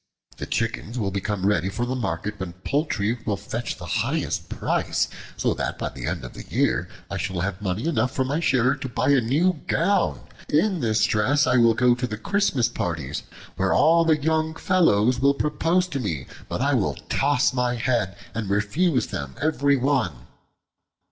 The chickens will become ready for the market when poultry will fetch the highest price, so that by the end of the year I shall have money enough from my share to buy a new gown. In this dress I will go to the Christmas parties, where all the young fellows will propose to me, but I will toss my head and refuse them every one."